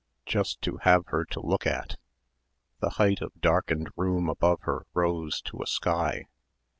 Just to have her to look at. The height of darkened room above her rose to a sky.